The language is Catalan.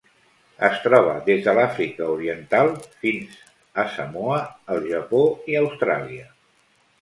Es troba des de l'Àfrica Oriental fins a Samoa, el Japó i Austràlia.